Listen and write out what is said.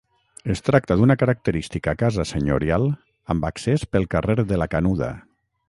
Es tracta d'una característica casa senyorial amb accés pel carrer de la Canuda.